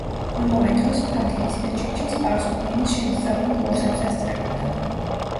ამავე დროს ფათიჰის მეჩეთში სპარსული ენის შემსწავლელ კურსებს ესწრებოდა.